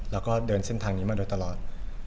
แล้วก็เดินเส้นทางนี้มาโดยตลอด